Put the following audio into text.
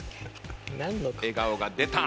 笑顔が出た。